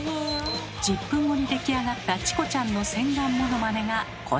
１０分後に出来上がったチコちゃんの洗顔ものまねがこちら。